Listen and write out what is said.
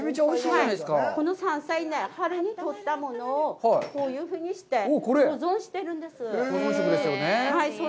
この山菜は春にとったものをこういうふうにして保存してるんです。